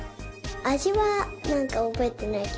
あじはなんかおぼえてないけど。